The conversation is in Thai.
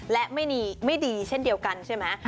และไม่ดีเช่นเดียวกันใช่ไหม